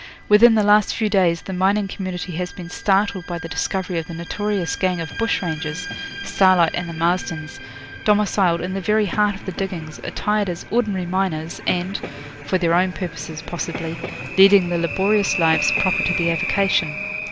Within the last few days the mining community has been startled by the discovery of the notorious gang of bush rangers, Starlight and the Marstons, domiciled in the very heart of the diggings, attired as ordinary miners, and for their own purposes possibly leading the laborious lives proper to the avocation.